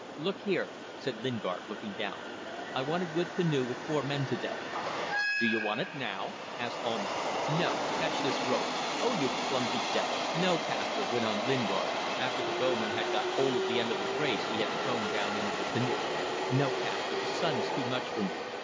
"Look here," said Lingard, looking down "I want a good canoe with four men to day." "Do you want it now?" asked Almayer. "No! Catch this rope. Oh, you clumsy devil! ... No, Kaspar," went on Lingard, after the bow man had got hold of the end of the brace he had thrown down into the canoe "No, Kaspar. The sun is too much for me.